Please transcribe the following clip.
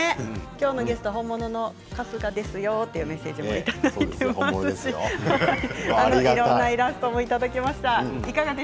きょうのゲスト本物の春日ですよというメッセージもいただきました。